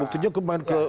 buktinya kembali ke